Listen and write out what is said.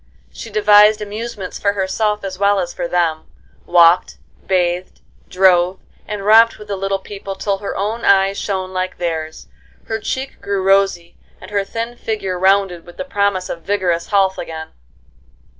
She devised amusements for herself as well as for them; walked, bathed, drove, and romped with the little people till her own eyes shone like theirs, her cheek grew rosy, and her thin figure rounded with the promise of vigorous health again.